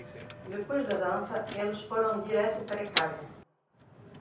Depois da dança eles foram direto para casa.